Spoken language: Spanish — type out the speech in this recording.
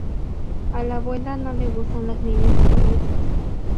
A la abuela no le gustan las niñas traviesas".